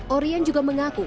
orien juga mengaku